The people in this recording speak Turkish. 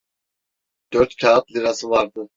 Dört kâğıt lirası vardı.